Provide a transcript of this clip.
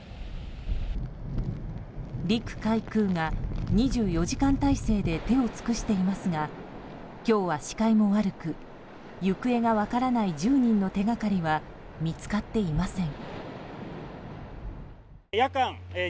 陸海空が２４時間態勢で手を尽くしていますが今日は視界も悪く行方が分からない１０人の手掛かりは見つかっていません。